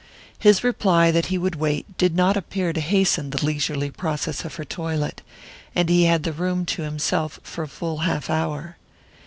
His reply that he would wait did not appear to hasten the leisurely process of her toilet, and he had the room to himself for a full half hour.